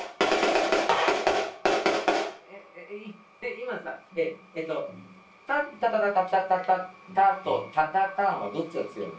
今さ、えっと、タッタタタタタタタッタと、タタタンはどっちが強いの？